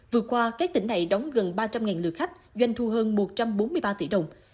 vừa qua các tỉnh này đóng gần ba trăm linh lượt khách doanh thu hơn một trăm bốn mươi ba tỷ đồng